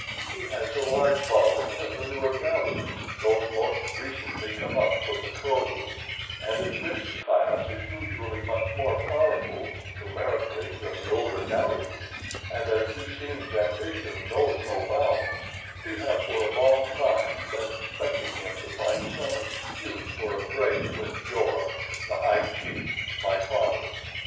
He has a large following of the newer Galus, those most recently come up from the Kro lu, and as this class is usually much more powerful numerically than the older Galus, and as Du seen's ambition knows no bounds, we have for a long time been expecting him to find some excuse for a break with Jor the High Chief, my father.